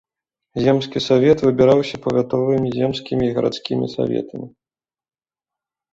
Земскі савет выбіраўся павятовымі земскімі і гарадскімі саветамі.